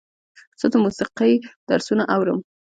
زه د موسیقۍ درسونه اورم.